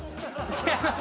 違います。